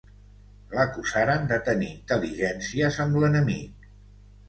L'acusaren de tenir intel·ligències amb l'enemic.